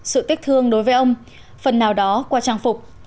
sự tiếc thương đối với ông phần nào đó qua trang phục